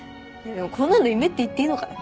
こんなの夢って言っていいのかな？